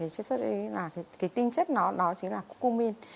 cái tinh chất đó chính là cucumin